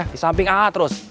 di samping aa terus